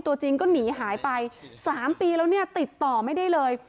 ตัวจริงก็หนีหายไป๓ปีแล้วเนี่ยติดต่อไม่ได้เลย